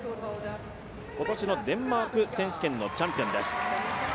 今年のデンマーク選手権のチャンピオンです。